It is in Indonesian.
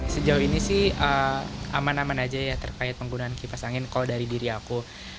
sejauh ini sih aman aman aja ya terkait penggunaan kipas angin kalau dari diri aku